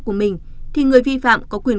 của mình thì người vi phạm có quyền